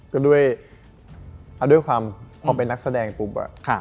ก็ด้วยความเป็นนักแสดงปุ๊บอะ